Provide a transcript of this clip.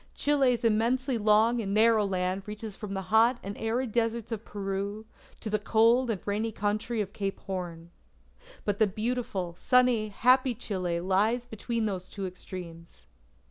Chile's immensely long and narrow land reaches from the hot and arid deserts of Peru, to the cold and rainy country of Cape Horn. But the beautiful, sunny, happy Chile lies between these two extremes.